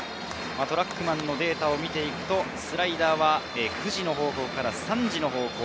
トラックマンのデータを見るとスライダーは９時の方向から３時の方向。